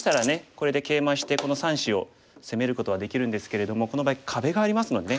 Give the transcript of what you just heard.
これでケイマしてこの３子を攻めることはできるんですけれどもこの場合壁がありますのでね